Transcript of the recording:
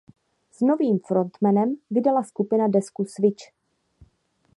S novým frontmanem vydala skupina desku "Switch".